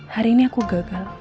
hari ini aku gagal